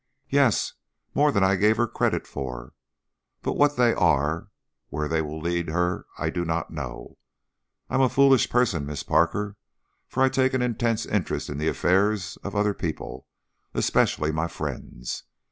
"Yes. More than I gave her credit for, but what they are, where they will lead her, I don't know. I'm a foolish person, Miss Parker, for I take an intense interest in the affairs of other people, especially my friends.